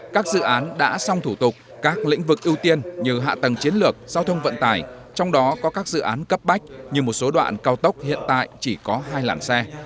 các dự án đã xong thủ tục các lĩnh vực ưu tiên như hạ tầng chiến lược giao thông vận tải trong đó có các dự án cấp bách như một số đoạn cao tốc hiện tại chỉ có hai làn xe